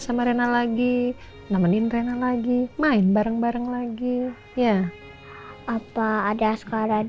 sama rena lagi nemenin rena lagi main bareng bareng lagi ya apa ada sekarang